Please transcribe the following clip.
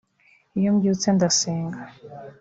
Iyo mbyutse ndasenga